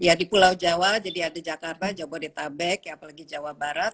ya di pulau jawa jadi ada jakarta jabodetabek apalagi jawa barat